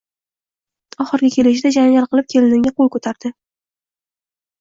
Oxirgi kelishida janjal qilib kelinimga qo`l ko`tardi